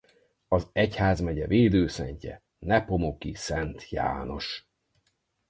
Az egyházmegye védőszentje Nepomuki Szent János.